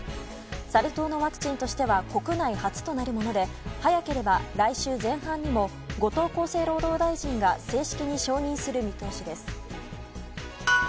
サル痘のワクチンとしては国内初となるもので早ければ来週前半にも後藤厚生労働大臣が正式に承認する見通しです。